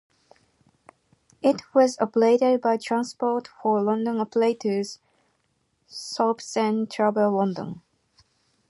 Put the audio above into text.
It was operated by Transport for London operators Thorpes and Travel London.